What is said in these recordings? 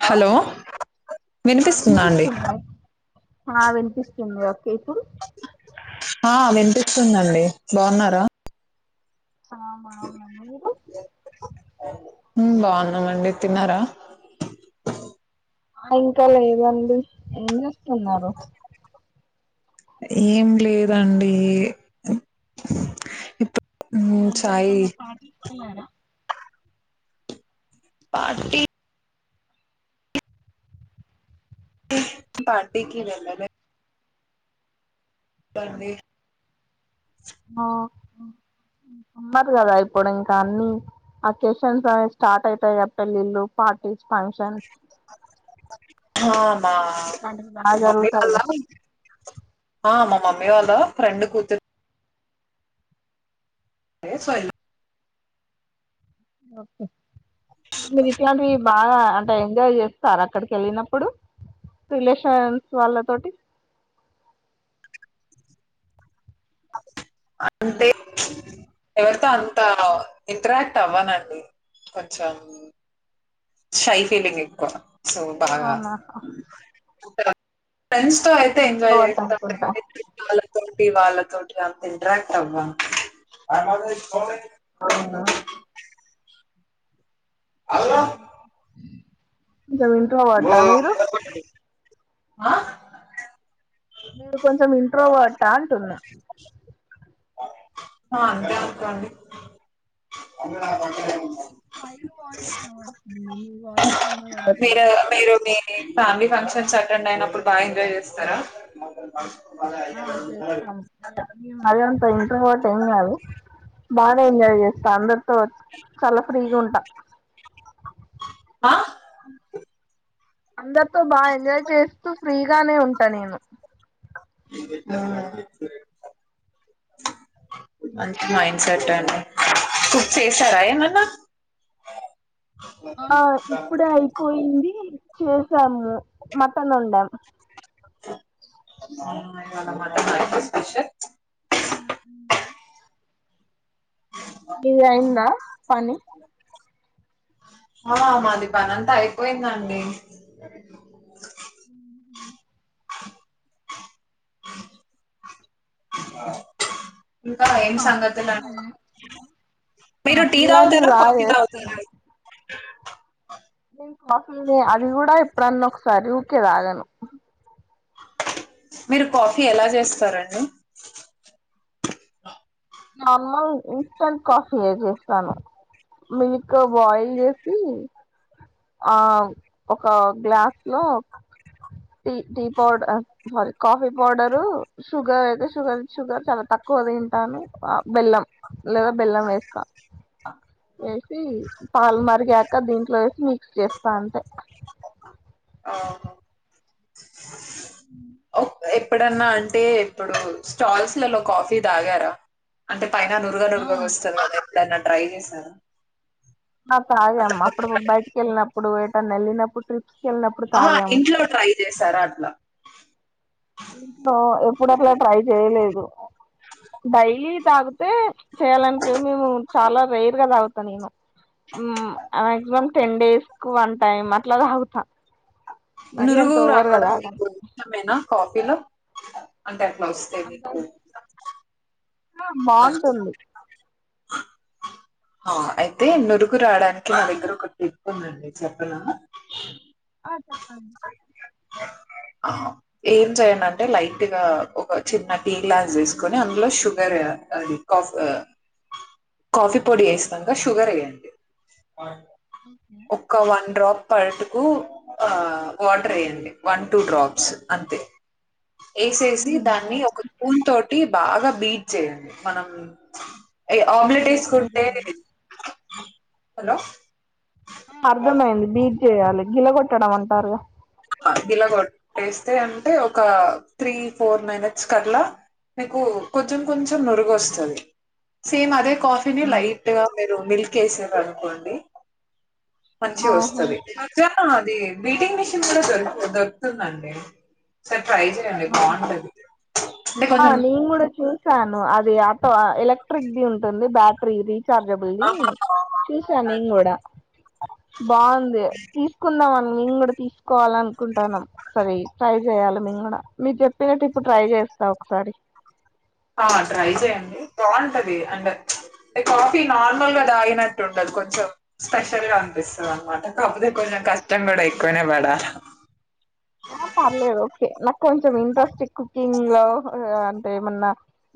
Hello వినిపిస్తుందా అండి వినిపిస్తుందండి ఆ వినిపిస్తుందండి బాగున్నారా ఆ బావ్వునం అండి మీరు ఉమ్ బాగున్నామండి తిన్నారా ఇంకా లేదండి ఏం చేస్తున్నారు ఏం లేదండీ ఇ ఈ మద్య ఎటైనా పార్టీస్ కి వెళ్ళారా పార్టీ పార్టీకి వెళ్ళలేదు అండి ఆ సమ్మర్ కదా ఇప్పుడింకన్ని అకేషన్స్ అనే స్టార్ట్ అవుతాయ్ కదా పెళ్ళిళ్ళు పార్టీస్ ఫంక్షన్స్ అవునా ఇలాంటివి బాగా మమ్మీ జరుగుతాయి వాళ్ళ కదా. ఆ మా మమ్మీ వాళ్ళా ఫ్రెండ్ కూతురీ సోఏ ఓకే అంటే మీరు ఇట్లాంటివి బాగా అంటే ఎంజాయ్ చేస్తారాక్కడికి ఎళ్ళినప్పుడు రిలేషన్స్ వాళ్ళ తోటి అంటే ఎవరితో అంతా ఇంటరాక్ట్ అవ్వనండి కొంచెం షై ఫీలింగ్ ఎక్కువ సో బాగా అవునా ఫ్రెండ్స్ తో అయితే కొంచెం ఎంజాయ్ ఇంట్రోవర్ట్ చేస్తాం అనుకుంటా కానీ బయటా వాలు తోటి వాళ్ళ తోటి అంతింటరాక్ట్ అవ్వం అవునా టే ఇంట్రోవర్టా మీరు ఆ మీరు కొంచెం ఇంట్రోవర్టా అంటున్నా ఆ అంతే అండి ఫైర్ వాయిస్ వినబడుతుంది మీ వాయిస్ అట్లా మీరు మీరు మీ మీ ఫ్యామిలీ ఫంక్షన్స్ అటెండైనప్పుడు బాగెంజయ్ చేస్తారా ఆ చేస్తాం మేం మరీ అంత ఇంట్రోవర్ట్ ఏమ్ కాదు బానే ఎంజాయ్ చేస్తా అందరితో చాలా ఫ్రీగుంటా ఆ అందరితో బాగా ఎంజాయ్ చేస్తూ ఫ్రీగానే ఉంటా నేను ఆహ్ మంచి మైండ్ సెట్ అండి ఫుడ్ చేసారా ఏమైనా ఆ ఇప్పుడే అయిపోయింది చేసాము మటన్ వండాం నైట్ ఏ స్పెషక్ మ్మ్ మ్మ్ మీది అయిందా పని ఆ మాది పని అంతా అయిపోయిందండి ఉహు ఇంకా ఏం సంగతులు అండి మీరు టీ ఇలాంటివి తాగుతారా బాగా కాఫీ చేస్తాను తాగుతారా నేన్ కాఫీ నే అది కూడా ఎప్పుడన్న ఒకసారి ఊరికే తాగను మీరు కాఫీ ఎలా చేస్తారండి నార్మల్ ఇన్స్టంట్ కాఫీ ఏ చేస్తాను మిల్క్ బాయిల్ చేసి ఆ ఒక గ్లాస్ లో టి టి పౌడర్ అ సారీ కాఫీ పౌడరు షుగర్ అయితే షుగర్ షుగర్ చాలా తక్ తక్కువ తింటాను హ బెల్లం లేదా బెల్లం వేస్తా వేసి పాలు మరిగాక దీంట్లో వేసి మిక్స్ చేస్తా అంతే ఆవును ఒ ఎప్పుడన్న అంటే ఇప్పుడు స్టాల్స్ లలో కాఫీ తాగారా అంటే పైన నురుగ నురుగగా వస్తుందని ఎప్పుడైనా ట్రై చేసారా మ తాగ అట్లా అమ్మ అప్పుడు నురగ- బయటికి వెళ్ళినప్పుడు ఎటన్న వెళ్ళినప్పుడు ట్రిప్స్ కి వెళ్ళినప్పుడు ఆహ తాగాము ఇంట్లో ట్రై చేసారు అట్లా ఇంట్లో ఎప్పుడు అట్లా ట్రై చేయలేదు డైలీ తాగితే చేయాలనుపియదు మేము చాలా రేరుగా తాగుతాం మేము మ్ మాక్సిమం టెన్ డేస్ కు వన్ టైమ్ అట్లా తగుతా నురుగూ రావడం మీకు ఇష్టమేనా కాఫీలో అంటే అట్లా వస్తే మీకు ఆ నచ్చుదా బాగుంటుంది అ అయితే నురుగు రావడానికి నా దగ్గర ఒక టిప్ ఉందండి చెప్పన అహ ఎం చేయండి అంటే లైట్ గా ఒక చిన్న టీ గ్లాస్ తీసుకొని అందులో షు షుగర్ అది కాఫీ హ కాఫీ పొడి వేసినంక షుగర్ వేయండి ఒక్క వన్ డ్రాప్ తాటుకు ఆహ్ వాటర్ వేయండి వన్ టూ డ్రాప్స్ అంతే వేసేసి దాన్ని ఒక స్పూన్ తోటే బాగా బీట్ చేయండి మనం ఏ ఆమ్లెట్ వేసుకుంటే అ హలో అర్థమైంది బీట్ చేయాలి గిలగొట్టడం అంటారుగా ఆ గిలగొట్టేస్తే అంటే ఒక త్రీ ఫోర్ మినిట్స్ కట్ల మీకు కొంచెం కొంచెం నురుగు వస్తుంది సేమ్ అదే కాఫీని లైట్ గా మీరు మిల్క్ ఏసిర్ అనుకోండి మంచిగా ఆహా వస్తది అదోన్న అది బీటింగ్ ఉష్ దు దొర్ దొరుకుతుంది అండి ఓసారి ట్రై చేయండి బావుంటది. ఆ నేను కూడా చూసాను అది ఆటో ఎలక్ట్రిక్ ది ఉంటుంది బ్యాటరీ ఇది. శబ్దబిల్లి చూసా నిను అవునండి కూడా బావుంది తీసుకుందాం అని మేము కూడా తీసుకోవాల అనుకుంటాన్నాం. సారీ సైజు చేయాలి మేము గూడా మీరు చెప్పినట్టిప్పుడు ట్రై చేస్తా ఒకసారి ఆ ట్రై చేయండి బాగుంటది అంటే ప్చ్ టే కాఫీ నార్మల్గా తాగినట్టుండదు కొంచెం స్పెషల్గా అనిపిస్తది అనమాట కాకపోతే కొంచెం కష్టం కూడా ఎక్కువనే పడాల ఆ టింగ్ లో హ అ అంటే ఏమన్నా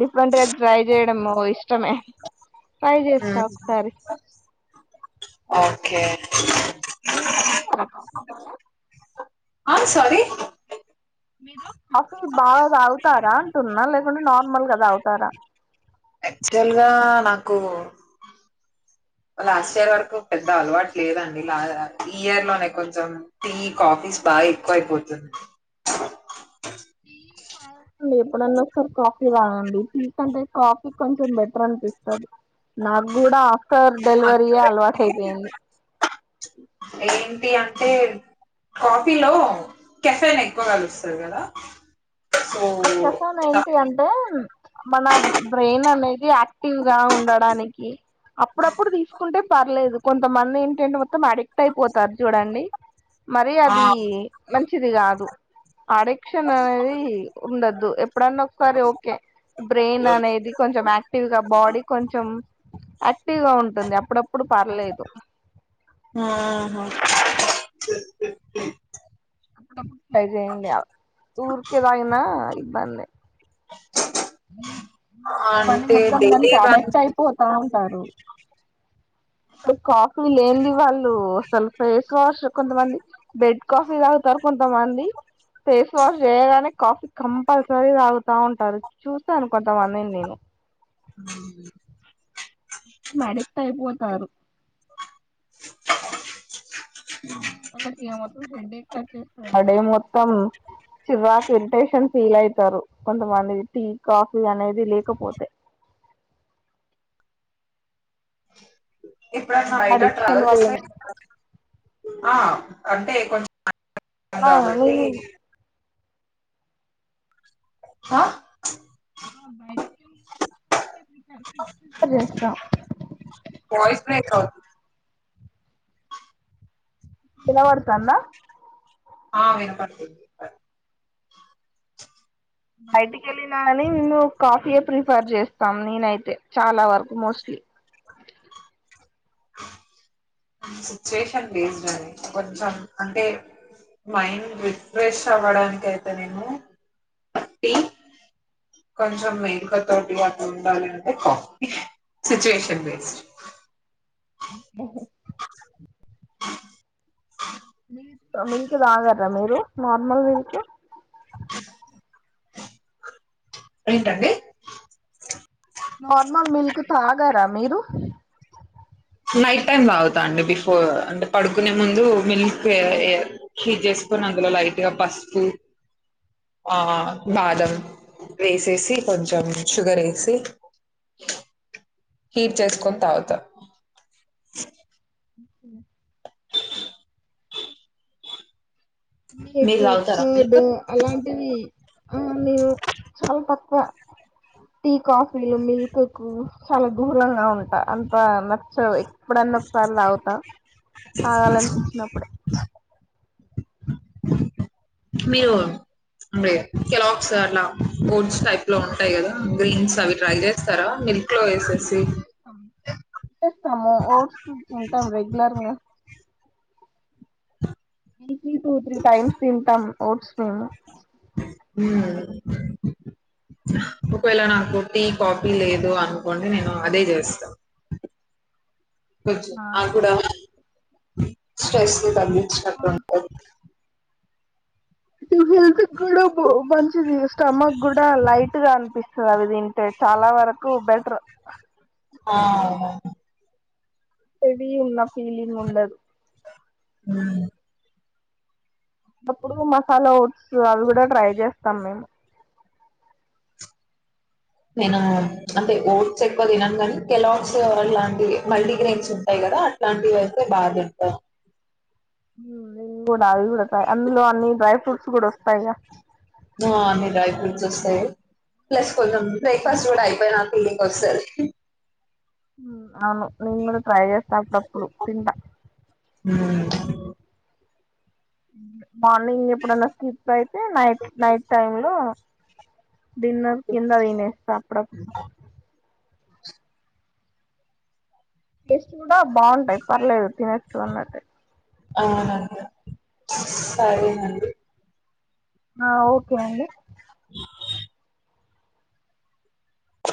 డిఫరెంట్ గా ట్రై చేయడమూ ఇష్టమే ట్రై చేస్తా ఒకసారి. ఓకే [unintelligible] ఆ సారీ మీరు కాఫీ బాగాతాగుతారా అంటున్నా, లేకుంటే నార్మల్గా తాగుతారా? యాక్చువల్ గా నాకు లాస్ట్ ఇయర్ వరకు పెద్ద అలవాటు లేదండిలా ఈ ఇయర్ లోనే కొంచెం టీ కాఫీస్ బాగెక్కువయిపోతుంది. టీ కాదు ఎప్పుడన్నొక్సారి కాఫీ తాగండి. టీ కంటే కాఫీ కొంచెం బెటర్ అనిపిస్తది. నాగూడా ఆఫ్టర్ డెలివరీయే అలవాటైయిపోయింది. ఏంటి అంటే? కాఫీలో కెఫేన్ ఎక్కువ కలుస్తది కదా. సో ఆ కెఫెన్ ఏంటి అంటే? మన బ్రెయిన్ అనేది యాక్టివ్ గా ఉండడానికి అప్పుడప్పుడు తీసుకుంటే పర్లేదు. కొంతమందెంటంటే మొత్తం అడిక్ట్ అయిపోతారు చూడండి. మరీ అది మంచిది కాదు. అడిక్షన్ అనేది ఉండోద్దు ఎప్పుడన్నొక్సారి ఓకే బ్రెయిన్ ఆ అనేది కొంచెం ఆక్టివ్ గా బాడీ కొంచెం మ్ ఆక్టివ్ గా ఉంటుంది. అప్పుడప్పుడు పర్లేదు ఉంహు అప్పుడప్పుడు ట్రై చేయండి ఊర్కే తాగినా ఇబ్బందే కొంత మంది అంటే మొత్తం డైలీ దానికి వన్ అడక్ట్ అయిపోతా ఉంటారు. కాఫీ లేంది వాళ్ళు అసలు ఫేస్ వాష్ కొంతమంది బెడ్ కాఫీ ఫి తాగుతారు కొంతమంది ఫేస్ వాష్ చేయగానే కాఫీ కంపల్సరీ తాగుతా ఉంటారు చూసాను కొంతమందిని నేను ఉమ్ మడక్ట్ అయిపోతారు. వాల్లకేమౌవుతది హెడేక్ ఒచ్చేస్తది మొత్తం చివాకిరిటేషన్ ఫీల్ అయితరు కొంతమంది టీ, కాఫీ అనేది లేకపోతే ఇప్పుడన్నా ఏటా అడిక్షన్ ట్రావెల్ చేస్తా వల్లనే ఆ అంటే కొంచెం ఆ కాదండి నేను ఆ చేస్తాం వాయిస్ బ్రేక్ అవుతుంది. ఇనవడతాందా? ఆ వినపడుతుంది. బయటకెళ్ళి కానీ నిను కాఫీయే ప్రిఫర్ చేస్తాం నేనైతే చాలా వరకు మోస్ట్లీ సిచువేషన్ బేస్దండి కొంచెం అంటే మైండ్ రీఫ్రెష్ అవ్వడానికైతే నేను ట్టి కొంచెం మెలుక తోటి అట్లుండాలి అంటె coffee situation based milk milk తాగరా మీరు నార్మల్ మిల్క్ ఏంటండి నార్మల్ మిల్క్ తాగర మీరు నైట్ టైం తాగుతా అండి బిఫోర్ అంటే పడుకునే ముందు మిల్క్ ఎ ఎ హీట్ చేసుకునం అందులొ లైట్గా పసుపు ఆ బాదం వేసేసి కొంచెం షుగర్ ఎసి హీట్ చేసుకొని తాగుత మీరు మీరెక్కు తాగుతారా కీడు మిల్క్ అలాంటివి ఆ లేవు చాలా తక్కువ టి కాఫీలు మిల్క్ కు చాలా దూరంగా ఉంటా అంత నచ్చదు ఎక్ ఎప్పుడన్న ఒకసారి తాగుత తాగాలనిపించినప్పుడె మీరు అంటె కెలాక్స్ అట్ల ఓట్స్ టైప్ లో ఉంటాయి గదా గ్రీన్స్ అవి ట్రై చేస్తారా మిల్క్ లో ఎసేసి తేస్తాము ఓట్స్ తింటాము రెగ్యులర్ గా వీక్లీ టూ త్రీ టైమ్స్ తింటాం ఓట్స్ మేము ఊ ఒకవేళ నాకు టీ కాపీ లేదు అనుకోండి నేను అదే చేస్తా కొంచం ఆది గూడా స్ట్రెస్ తగ్గిచ్చినటుంటది టుబి హల్త్ గూడా బొ మంచిది స్టమక్ గూడా లైట్ గా అనిపిస్తాది తింటే చాలా వరకు బెటర్ ఆ అవునవును హెవీ ఉన్న ఫీలింగ్ ఉండదు ఊ అప్పుడు మసాలా ఓట్స్ అవి గూడ ట్రై చేస్తాం మేము నేను అంటె ఓట్స్ ఎక్కువ తినను గని కెలాక్స్ లాంటివి మల్టీగ్రైన్స్ ఉంటయ్ గ దా అట్లాంవైతే బా తింట ఉం నెన్ గూడ అవి గూడ కా అందులో అన్ని డ్రై ఫ్రూట్స్ గూడ ఒస్తయ్ గ మా అన్ని డ్రై ఫ్రూట్స్ ఒస్తాయ్ ప్లస్ కొంచం బ్రేక్ఫాస్ట్ గూడ అయిపోయిన ఫీలింగ్ ఒస్తది మ్ అవును నెన్ గుడ ట్రై చేస్తా అప్పుడప్పుడు తింట ఉమ్ మార్నింగ్ ఎప్పుడన్న స్కిప్ అయితే నైట్ నైట్ టైం లో డిన్నర్ కింద తినేస్తా అప్పుడప్పుడు టెస్ట్ గూడ బావుంటయ్ పర్లేదు తినొచ్చు అన్నట్టె అవునండి సరేనండి ఆ ఓకే అండి